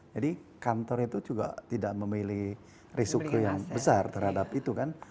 jadi kantor itu juga tidak memilih risiko yang besar terhadap itu kan